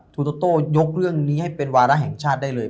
ทุโธต้อยกชิ้นนี้ให้เป็นวาระแห่งชาติได้เลย